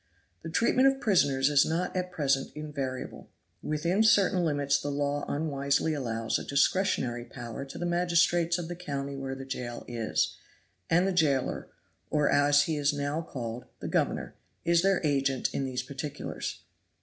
The treatment of prisoners is not at present invariable. Within certain limits the law unwisely allows a discretionary power to the magistrates of the county where the jail is; and the jailer, or, as he is now called, the governor, is their agent in these particulars.